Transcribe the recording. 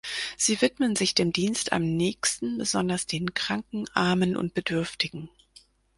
Sie widmen sich dem Dienst am Nächsten, besonders den Kranken, Armen und Bedürftigen.